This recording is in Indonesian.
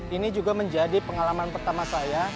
ini juga menjadi pengalaman pertama saya